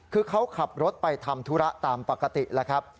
คือเขาขับรถไปทำธุระตามปกติแล้วครับ